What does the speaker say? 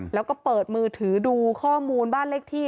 แล้วก็เปิดมือถือดูข้อมูลบ้านเลขที่